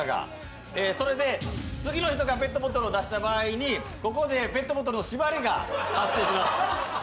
それで次の人がペットボトルを出した場合に、ここでペットボトルのしばりが発生します。